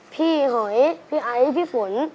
พี่หอยพี่อัยพี่ฝน